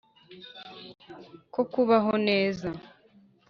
ko kubaho neza